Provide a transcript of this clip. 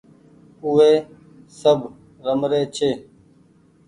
او وي سب رمري ڇي